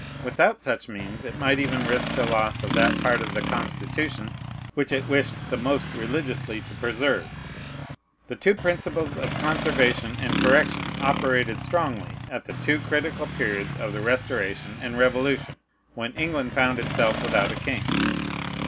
Without such means it might even risk the loss of that part of the Constitution which it wished the most religiously to preserve. The two principles of conservation and correction operated strongly at the two critical periods of the Restoration and Revolution, when England found itself without a king.